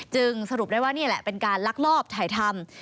จึงสรุปได้ว่านี่แหละเป็นการลักลอบถ่ายทำ